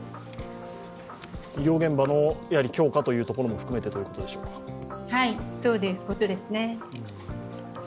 医療現場の強化というところも含めてということでしょうか。